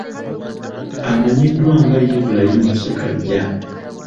Amanyiddwa nga Ibrahim Ssekaggya.